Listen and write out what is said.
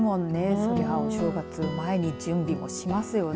そりゃ、お正月を前に、準備をしますよね。